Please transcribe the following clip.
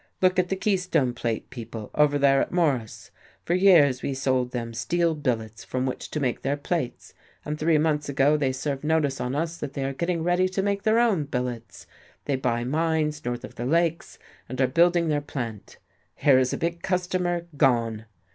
Look at the Keystone Plate people, over there at Morris. For years we sold them steel billets from which to make their plates, and three months ago they serve notice on us that they are getting ready to make their own billets, they buy mines north of the lakes and are building their plant. Here is a big customer gone.